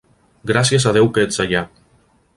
Gràcies a Déu que ets allà!